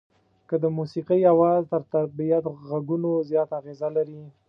که د موسيقۍ اواز تر طبيعت غږونو زیاته اغېزه لري.